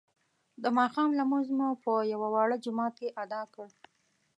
د ماښام لمونځ مو په یوه واړه جومات کې ادا کړ.